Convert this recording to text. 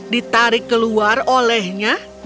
ditarik keluar olehnya